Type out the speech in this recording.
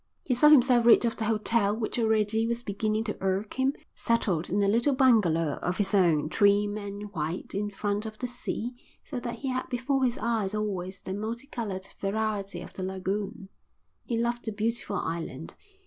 He saw himself rid of the hotel which already was beginning to irk him, settled in a little bungalow of his own, trim and white, in front of the sea so that he had before his eyes always the multicoloured variety of the lagoon. He loved the beautiful island.